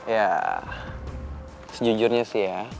ya sejujurnya sih ya